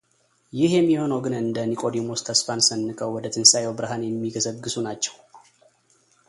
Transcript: ይኽ የሚሆነው ግን እንደ ኒቆዲሞስ ተስፋን ሰንቀው ወደ ትንሣኤው ብርሃን የሚገሠግሡ ናቸው